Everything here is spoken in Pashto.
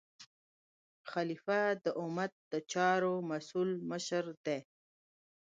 خلیفه د امت د چارو مسؤل مشر دی.